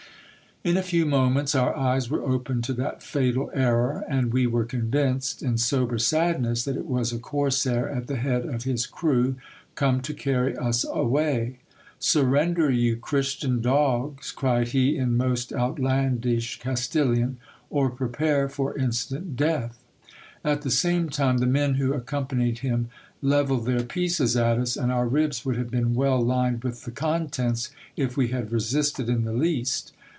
In a few moments our eyes were opened to that fatal error, and we were convinced, in sober sadness, that it was a corsair at the head of his crew, come to carry us away. Surrender, you Christian dogs, cried he in most out landish Castilian, or prepare for instant death. At the same time the men who accompanied him levelled their pieces at us, and our ribs would have been well lined with the contents, if we had resisted in the least.